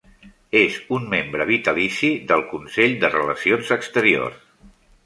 És un membre vitalici del Consell de Relacions Exteriors.